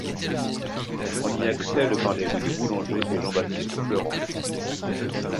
On y accède par les rues des Boulangers et Jean-Baptiste-Fleurent.